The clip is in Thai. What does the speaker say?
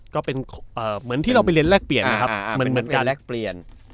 ก็เป็นเหมือนที่เราไปเรียนแลกเปลี่ยนนะครับเหมือนกัน